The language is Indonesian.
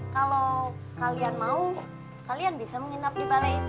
kalau kalian mau kalian bisa menginap di balai